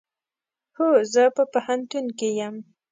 هو، زه په پوهنتون کې یم